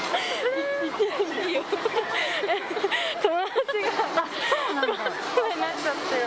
友達がコロナになっちゃって。